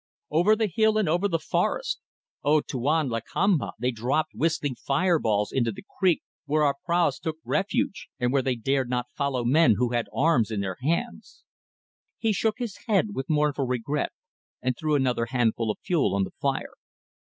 Over the hill and over the forest O! Tuan Lakamba! they dropped whistling fireballs into the creek where our praus took refuge, and where they dared not follow men who had arms in their hands." He shook his head with mournful regret and threw another handful of fuel on the fire.